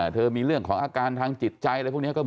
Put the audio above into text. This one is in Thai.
เธอมีเรื่องของอาการทางจิตใจ